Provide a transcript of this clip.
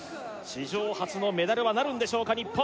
史上初のメダルはなるんでしょうか日本